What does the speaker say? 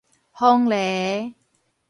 黃鸝